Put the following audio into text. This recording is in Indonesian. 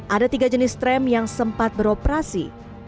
ada tiga jenis tram yang sempat beroperasi